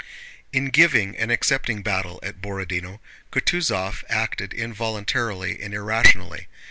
In giving and accepting battle at Borodinó, Kutúzov acted involuntarily and irrationally.